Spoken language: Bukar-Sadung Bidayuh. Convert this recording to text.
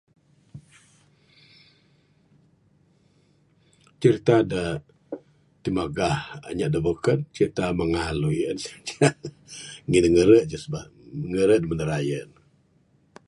Crita ne, timegah anyap de beken, crita mengalui ye ne ngin ne ngere ce sebab ngere mene rayerk.